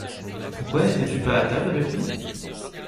Pourquoi n'étais-tu pas à table avec nous ?